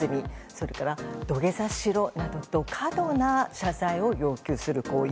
それから土下座しろなどと過度な謝罪を要求する行為。